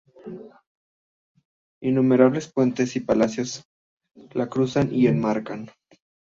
Innumerables puentes y palacios la cruzan y enmarcan.